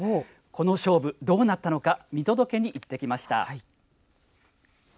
この勝負、どうなったのか見届けに行ってきました。